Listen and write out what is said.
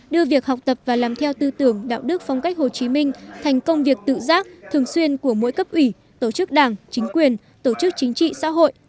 đưa việc học tập và làm theo tư tưởng đạo đức phong cách hồ chí minh thành công việc tự giác thường xuyên của mỗi cấp ủy tổ chức đảng chính quyền tổ chức chính trị xã hội